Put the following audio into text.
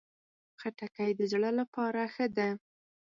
خټکی د زړه لپاره ښه ده.